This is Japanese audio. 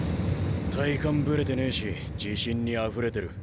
体幹ブレてねえし自信にあふれてる。